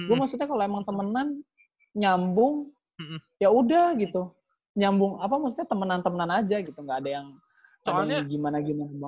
gua maksudnya kalo emang temenan nyambung yaudah gitu nyambung apa maksudnya temenan temenan aja gitu gaada yang gimana gimana